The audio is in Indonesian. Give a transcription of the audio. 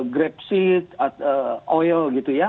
grape seed oil gitu ya